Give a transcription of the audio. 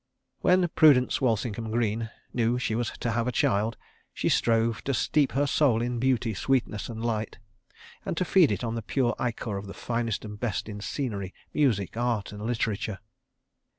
... When Prudence Walsingham Greene knew that she was to have a child, she strove to steep her soul in Beauty, Sweetness and Light, and to feed it on the pure ichor of the finest and best in scenery, music, art and literature.